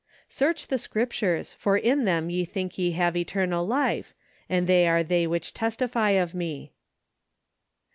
" Search the scriptures ; for in them ye think ye have eternal life: and they are they which testify of me."